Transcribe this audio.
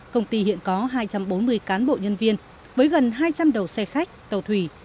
công ty hiện có hai trăm bốn mươi cán bộ nhân viên với gần hai trăm linh đầu xe khách tàu thủy